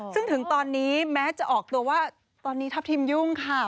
ซึ่งถึงตอนนี้แม้จะออกตัวว่าตอนนี้ทัพทิมยุ่งค่ะ